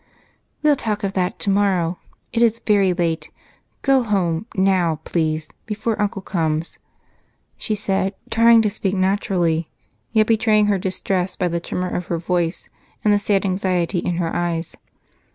"We'll talk of that tomorrow. It is very late. Go home now, please, before Uncle comes," she said, trying to speak naturally yet betraying her distress by the tremor of her voice and the sad anxiety in her eyes.